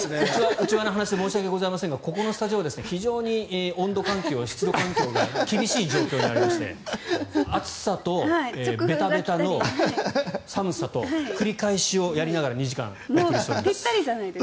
内輪の話で申し訳ありませんがここのスタジオは非常に温度環境、湿度環境が厳しい状況にありまして暑さとベタベタと寒さと繰り返しをやりながら２時間やってます。